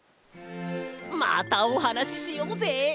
またおはなししようぜ！